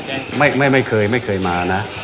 เหมือนไม่ไม่ไม่ไม่เคยไม่เคยมาอ่ะ